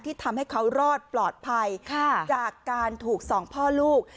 ทำให้เขารอดปลอดภัยจากการถูกสองพ่อลูก